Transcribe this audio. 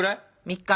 ３日。